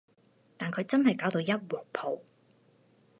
但佢真係搞到一鑊泡